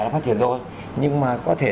nó phát triển rồi nhưng mà có thể